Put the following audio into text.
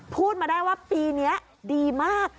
พูดมาได้ว่าปีนี้ดีมาก